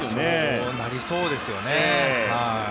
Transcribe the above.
そうなりそうですよね。